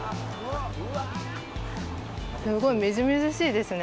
すごい、みずみずしいですね！